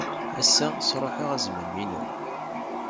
Ass-a, sṛuḥeɣ azmam-inu.